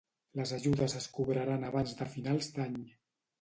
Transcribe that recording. Les ajudes es cobraran abans de finals d'any.